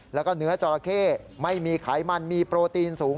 แล้วก็เนื้อจอราเข้ไม่มีไขมันมีโปรตีนสูง